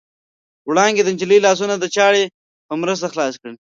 وړانګې د نجلۍ لاسونه د چاړې په مرسته خلاص کړل.